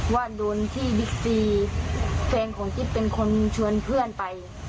ว่าโดนที่บิ๊กซีแฟนของกิ๊บเป็นคนชวนเพื่อนไป